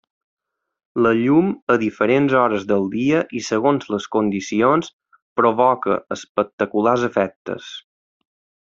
La llum a diferents hores del dia i segons les condicions, provoca espectaculars efectes.